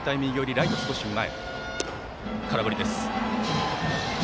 ライト少し前。